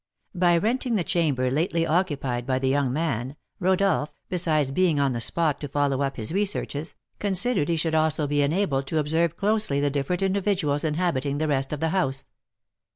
By renting the chamber lately occupied by the young man, Rodolph, besides being on the spot to follow up his researches, considered he should also be enabled to observe closely the different individuals inhabiting the rest of the house.